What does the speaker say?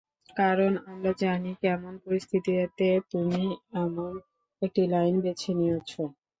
কারণ, আমরা জানি, কেমন পরিস্থিতিতে তুমি এমন একটি লাইন বেছে নিয়েছ।